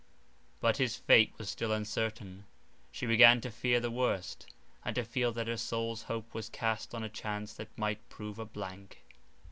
But his fate was still uncertain; she began to fear the worst, and to feel that her soul's hope was cast on a chance that might prove a blank.